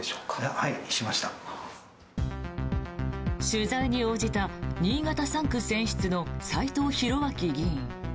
取材に応じた新潟３区選出の斎藤洋明議員。